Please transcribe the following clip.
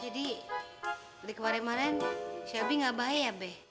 jadi dari kemarin kemarin selvi gak baik ya be